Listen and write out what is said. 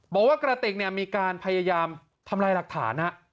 กระติกมีการพยายามทำลายหลักฐาน